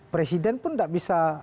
presiden pun nggak bisa